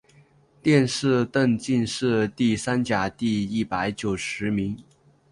殿试登进士第三甲第一百九十名。